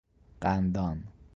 قندان